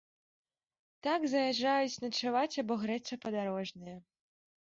Так заязджаюць начаваць або грэцца падарожныя.